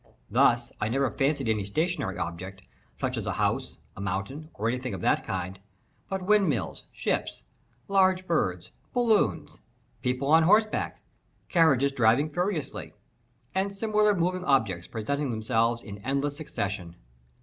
Thus, I never fancied any stationary object, such as a house, a mountain, or any thing of that kind; but windmills, ships, large birds, balloons, people on horseback, carriages driving furiously, and similar moving objects, presented themselves in endless succession.